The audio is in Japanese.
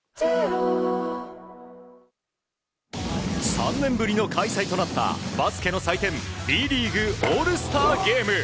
３年ぶりの開催となったバスケの祭典Ｂリーグオールスターゲーム。